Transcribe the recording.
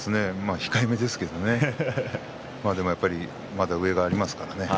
まあ控えめですけどねまだ上がありますからね。